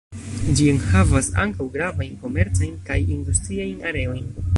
Ĝi enhavas ankaŭ gravajn komercajn kaj industriajn areojn.